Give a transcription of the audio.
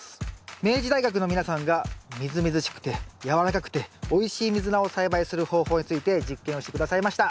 明治大学の皆さんがみずみずしくてやわらかくておいしいミズナを栽培する方法について実験をして下さいました。